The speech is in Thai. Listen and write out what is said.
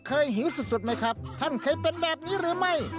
หิวสุดไหมครับท่านเคยเป็นแบบนี้หรือไม่